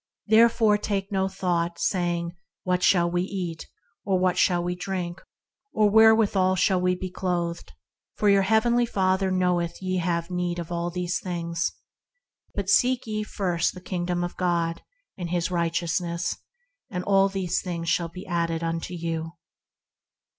"Therefore take no thought saying, What shall we eat ? or, What shall we drink ? or, Where withal shall we be clothed ?... For your heavenly Father knoweth ye have need of all these things. But seek ye first the Kingdom of God, and His Righteousness; and all these things shall be added unto you.